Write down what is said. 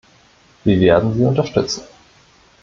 Wir werden Sie unterstützen.